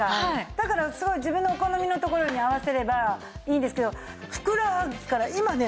だから自分のお好みのところに合わせればいいんですけどふくらはぎから今ね